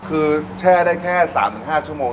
คือแช่ได้แค่๓๕ชั่วโมง